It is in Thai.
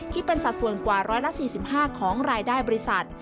คิดเป็นสัดส่วนกว่า๑๔๕ของรายได้บริษัท